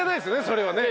それはね。